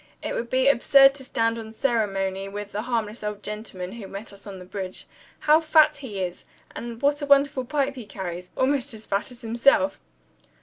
It would be absurd to stand on ceremony with the harmless old gentleman who met us on the bridge. How fat he is! and what a wonderful pipe he carries almost as fat as himself!"